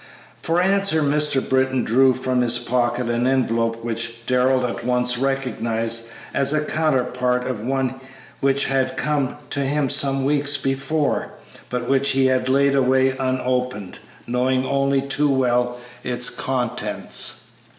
For answer Mr. Britton drew from his pocket an envelope which Darrell at once recognized as a counterpart of one which had come to him some weeks before, but which he had laid away unopened, knowing only too well its contents.